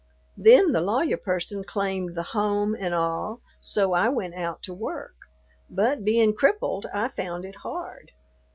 Then the lawyer person claimed the home an' all, so I went out to work, but bein' crippled I found it hard.